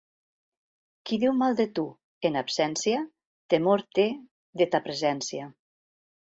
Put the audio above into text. Qui diu mal de tu en absència, temor té de ta presència.